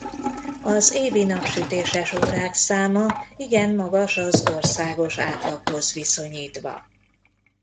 Az évi napsütéses órák száma igen magas az országos átlaghoz viszonyítva.